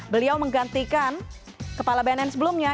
beliau menggantikan kepala bnn sebelumnya